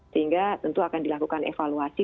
sehingga tentu akan dilakukan evaluasi